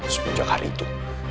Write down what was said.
sebenernya hari itu